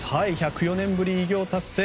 １０４年ぶりに偉業達成。